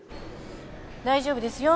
大丈夫ですよ。